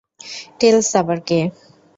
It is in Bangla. টেলস আবার কে?